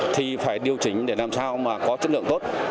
thì phải điều chỉnh để làm sao mà có chất lượng tốt